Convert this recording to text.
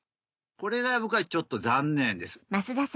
これが僕はちょっと残念です。